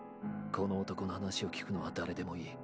この男の話を聞くのは誰でもいい。